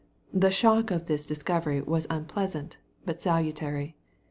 The shock of this discovery was unpleasant, but salutary.